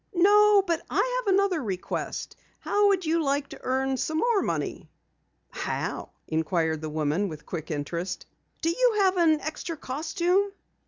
"No, but I have another request. How would you like to earn some more money?" "How?" inquired the woman with quick interest. "Do you have an extra costume?"